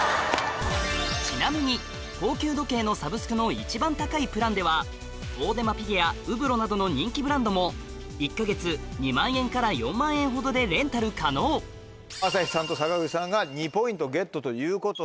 ちなみに高級時計のサブスクの一番高いプランではオーデマピゲやウブロなどの人気ブランドも１か月２万円から４万円ほどでレンタル可能朝日さんと坂口さんが２ポイントゲットということで。